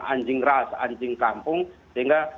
anjing ras anjing kampung sehingga